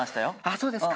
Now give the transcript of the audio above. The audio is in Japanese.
そうですか。